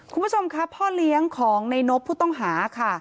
คุณผู้ชมค่ะพ่อเลี้ยงของในนบผู้ต้องหาค่ะ